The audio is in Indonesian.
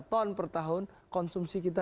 ton per tahun konsumsi kita